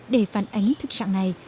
để phản ánh thức trạng này